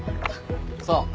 そう。